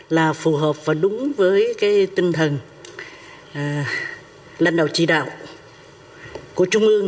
là phù hợp và đúng với cái tinh thần lãnh đạo chỉ đạo của trung ương